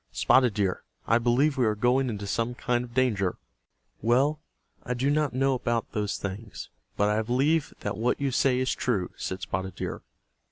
Spotted Deer, I believe we are going into some kind of danger." "Well, I do not know about those things, but I believe that what you say is true," said Spotted Deer.